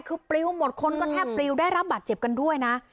คือปลิวหมดคนก็แทบปลิวได้รับบาดเจ็บกันด้วยนะ